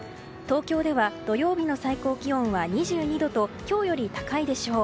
東京では土曜日の最高気温は２２度と今日より高いでしょう。